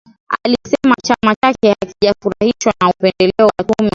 Alisema chama chake hakijafurahishwa na upendeleo wa tume ya uchaguzi ya Zimbabwe